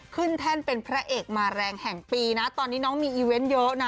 แท่นเป็นพระเอกมาแรงแห่งปีนะตอนนี้น้องมีอีเวนต์เยอะนะ